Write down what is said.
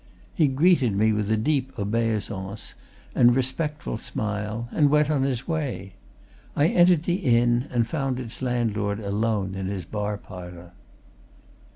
He greeted me with a deep obeisance and respectful smile and went on his way I entered the inn and found its landlord alone in his bar parlour.